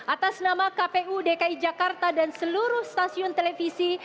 atas nama kpu dki jakarta dan seluruh stasiun televisi